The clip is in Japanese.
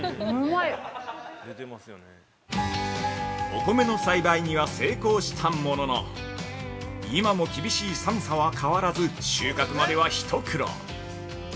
◆お米の栽培には成功したものの今も厳しい寒さは変わらず収穫までは一苦労。